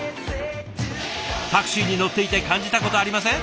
タクシーに乗っていて感じたことありません？